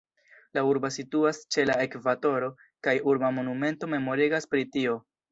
La urbo situas ĉe la ekvatoro, kaj urba monumento memorigas pri tio.